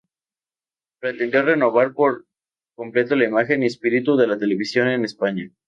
Pretendió renovar por completo la imagen y espíritu de la televisión en España.